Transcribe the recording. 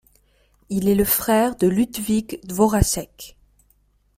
Il est le frère de Ludvík Dvořáček.